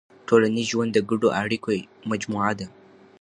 ټولنیز ژوند د ګډو اړیکو مجموعه ده.